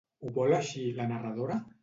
Ho vol així la narradora?